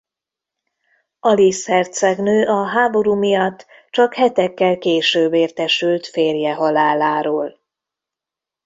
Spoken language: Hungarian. Aliz hercegnő a háború miatt csak hetekkel később értesült férje haláláról.